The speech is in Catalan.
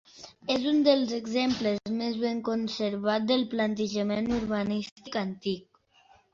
És un dels exemples més ben conservat del planejament urbanístic antic.